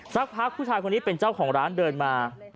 สักพักผู้ชายคนนี้เป็นเจ้าของร้านเดินมา